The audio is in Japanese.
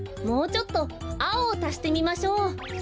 もうちょっとあおをたしてみましょう。